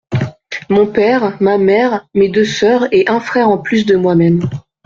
Mon père, ma mère, mes deux sœurs et un frère en plus de moi-même.